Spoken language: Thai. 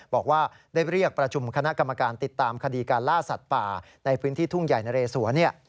บอกว่าได้เรียกประชุมคณะกรรมการติดตามคดีการล่าสัตว์ป่าในพื้นที่ทุ่งใหญ่นะเรสวน